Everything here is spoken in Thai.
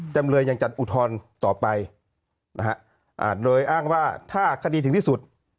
จำเลยยังจัดอุทธรณ์ต่อไปนะฮะโดยอ้างว่าถ้าคดีถึงที่สุด